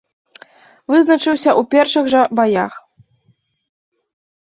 Вызначыўся ў першых жа баях.